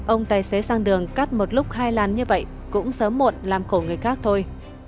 ông tài xế sang đường cắt một lúc hai làn như vậy cũng sớm muộn làm khổ người khác thôi